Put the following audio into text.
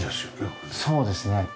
そうですね。